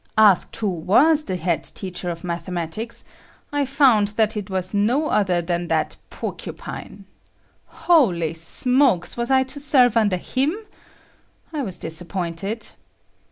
Asked who was the head teacher of mathematics, I found that he was no other than that Porcupine. Holy smokes! was I to serve under him? I was disappointed.